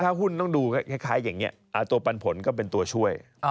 ถ้าหุ้นต้องดูคล้ายอย่างนี้ตัวปันผลก็เป็นตัวช่วย